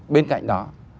bên cạnh đó